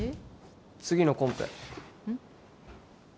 次のコンペうん？